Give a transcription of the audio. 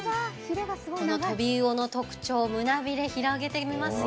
このトビウオの特徴、胸びれ広げてみますよ。